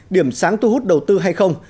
điểm sáng tu hút đầu tư hay không